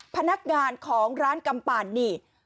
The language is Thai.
พนักงานของร้านกำปั่นนี่